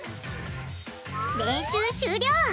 練習終了！